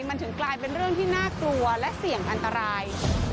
มันถึงกลายเป็นเรื่องที่น่ากลัวและเสี่ยงอันตราย